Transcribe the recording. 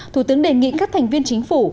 thủ tướng đề nghị các thành viên chính phủ